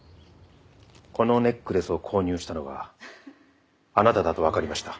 このネックレスを購入したのがあなただとわかりました。